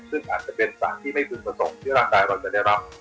ซึ่งอาจจะเป็นสารที่ไม่พึงประสงค์ที่ร่างกายเราจะได้รับ